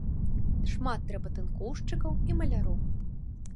Шмат трэба тынкоўшчыкаў і маляроў.